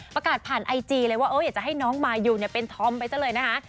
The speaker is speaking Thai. ประกาศผ่านไอจีเลยว่าอยากจะให้น้องมายูเป็นธอมไปซะเลยนะคะ